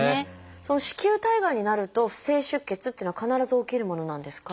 その子宮体がんになると不正出血っていうのは必ず起きるものなんですか？